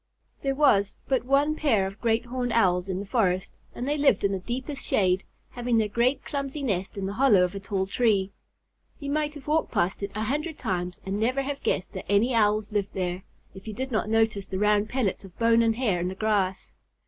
There was but one pair of Great Horned Owls in the forest, and they lived in the deepest shade, having their great clumsy nest in the hollow of a tall tree. You might have walked past it a hundred times and never have guessed that any Owls lived there, if you did not notice the round pellets of bone and hair on the grass.